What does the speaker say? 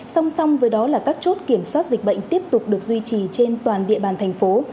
song song với đó là các chốt kiểm soát dịch bệnh tiếp tục được duy trì trên toàn địa bàn thành phố